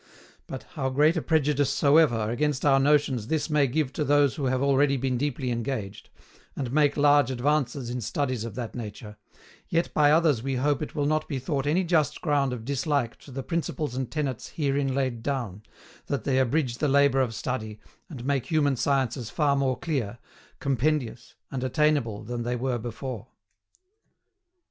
But, how great a prejudice soever against our notions this may give to those who have already been deeply engaged, and make large advances in studies of that nature, yet by others we hope it will not be thought any just ground of dislike to the principles and tenets herein laid down, that they abridge the labour of study, and make human sciences far more clear, compendious and attainable than they were before.